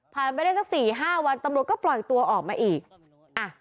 ไปได้สักสี่ห้าวันตำรวจก็ปล่อยตัวออกมาอีกอ่ะ